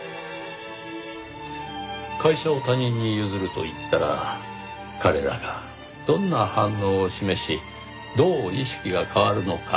会社を他人に譲ると言ったら彼らがどんな反応を示しどう意識が変わるのか。